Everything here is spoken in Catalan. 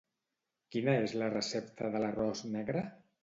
Quina és la recepta de l'arròs negre?